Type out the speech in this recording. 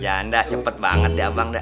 janda cepet banget ya bang dah